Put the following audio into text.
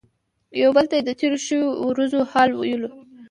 یو بل ته یې د تیرو شویو ورځو حال ویلو.